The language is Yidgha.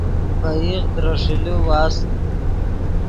ڤے ایغ ترے ݰیلے واست